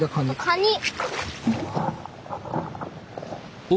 カニ！